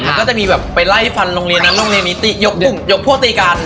มันก็จะมีแบบไปไล่ฟันโรงเรียนนั้นโรงเรียนนี้ยกพวกตีกัน